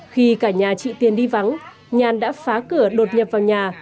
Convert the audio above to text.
khi cả nhà chị tiền đi vắng nhàn đã phá cửa đột nhập vào nhà